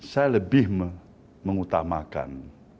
saya lebih mengutamakan